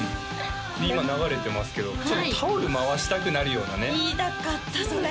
今流れてますけどちょっとタオル回したくなるようなね言いたかったそれ！